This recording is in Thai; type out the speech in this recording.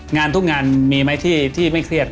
งานทุกงานมีไหมที่ไม่เครียด